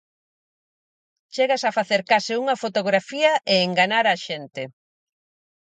Chegas a facer case unha fotografía e enganar á xente.